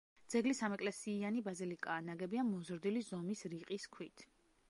ძეგლი სამეკლესიიანი ბაზილიკაა, ნაგებია მოზრდილი ზომის რიყის ქვით.